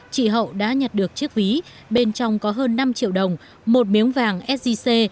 chị hậu đã nhặt được chiếc ví bên trong có hơn năm triệu đồng một miếng vàng sgc